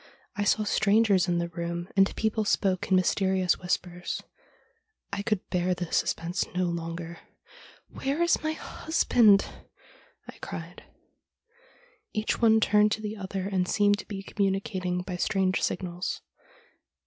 I saw strangers in the room, and people spoke in mysterious whispers. I could bear the suspense no longer. " Where is my husband ?" I cried. Each one turned to the other and seemed to be communicating by strange signals.